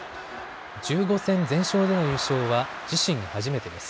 １５戦全勝での優勝は自身初めてです。